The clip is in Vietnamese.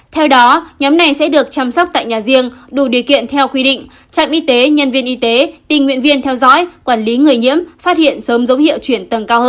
theo đó nhóm này sẽ được chăm sóc tại nhà riêng đủ điều kiện theo quy định trạm y tế nhân viên y tế tình nguyện viên theo dõi quản lý người nhiễm phát hiện